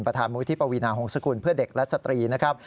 มุยที่ปวีนาหงษกุลเพื่อเด็กและสตรีนะครับ